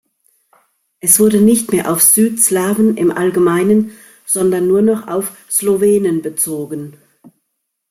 Es wurde nicht mehr auf „Südslawen“ im Allgemeinen, sondern nur noch auf Slowenen bezogen.